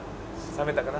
冷めたかな？